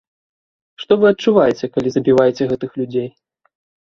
Што вы адчуваеце, калі забіваеце гэтых людзей?